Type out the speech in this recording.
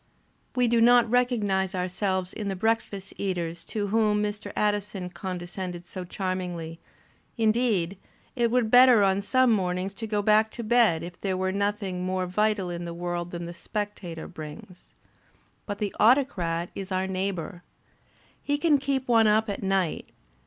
We do not recognize ourselves in the breakfast eaters to whom Mr. Addison condescended so charmingly; indeed, it were better on some mornings to go back to bed if there were nothrog more vital in the world than the Spectator brings. But the Autocrat is our neighbour. H^ can keep one up at night.